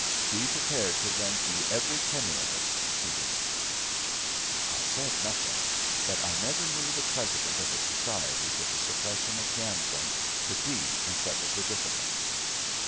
"Be prepared to lend me every penny of it," he whispered. I said nothing; but I never knew the president of a society for the suppression of gambling to be in such a predicament.